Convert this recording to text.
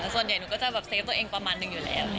แต่ส่วนใหญ่หนูก็จะแบบเซฟตัวเองประมาณนึงอยู่แล้ว